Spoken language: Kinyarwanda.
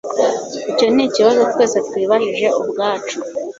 Icyo nikibazo twese twibajije ubwacu.